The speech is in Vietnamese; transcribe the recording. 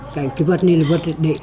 cái vật này là vật để